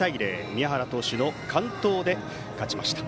宮原投手の完投で勝ちました。